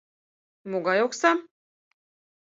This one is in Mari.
Могай оксам?